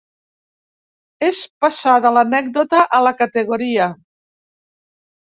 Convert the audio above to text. És passar de l'anècdota a la categoria.